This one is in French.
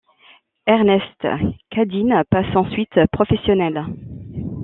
Ernest Cadine passe ensuite professionnel.